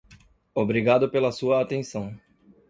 Obrigado pela sua atenção.